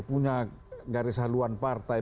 punya garis haluan partai